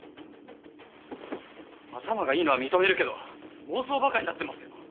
頭がいいのは認めるけど妄想バカになってますよ。